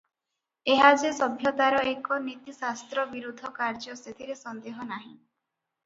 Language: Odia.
ଏହା ଯେ ସଭ୍ୟତାର ଏକ ନୀତିଶାସ୍ତ୍ର ବିରୁଦ୍ଧ କାର୍ଯ୍ୟ ସେଥିରେ ସନ୍ଦେହ ନାହିଁ ।